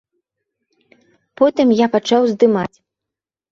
Потым я пачаў здымаць.